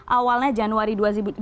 awalnya januari dua ribu sembilan belas